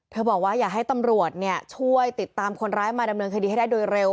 บอกว่าอยากให้ตำรวจช่วยติดตามคนร้ายมาดำเนินคดีให้ได้โดยเร็ว